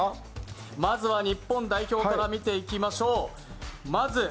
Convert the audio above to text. まずは日本代表から見ていきましょう。